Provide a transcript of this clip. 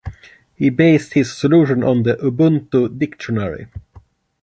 He based his solution on the Ubuntu dictionary.